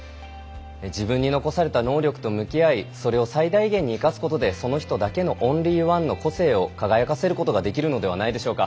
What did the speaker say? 自分に残された能力と向き合いそれを最大限に生かすことでその人だけのオンリーワンの個性を輝かせることができるのではないでしょうか。